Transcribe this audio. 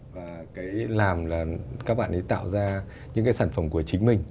và cái làm là các bạn ấy tạo ra những cái sản phẩm của chính mình